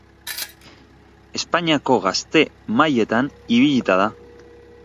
Espainiako gazte mailetan ibilita da.